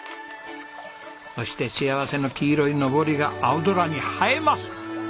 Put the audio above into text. そして幸せの黄色いのぼりが青空に映えます。